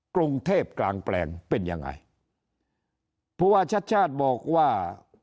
กรุงเทพกลางแปลงเป็นยังไงผู้ว่าชัดชาติบอกว่า